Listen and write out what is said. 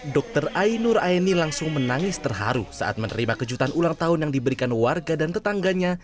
dr ainur aini langsung menangis terharu saat menerima kejutan ulang tahun yang diberikan warga dan tetangganya